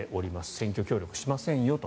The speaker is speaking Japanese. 選挙協力しませんよと。